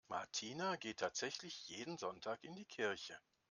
Martina geht tatsächlich jeden Sonntag in die Kirche.